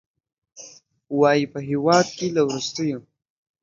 وايي، په دې هېواد کې له وروستیو